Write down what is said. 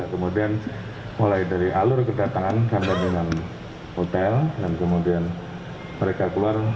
kemudian mulai dari alur kedatangan sampai dengan hotel dan kemudian mereka keluar